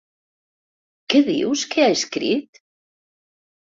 Què dius que ha escrit?